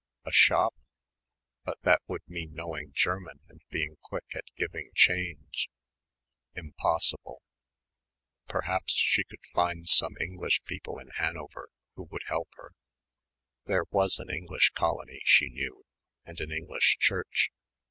A shop? But that would mean knowing German and being quick at giving change. Impossible. Perhaps she could find some English people in Hanover who would help her. There was an English colony she knew, and an English church.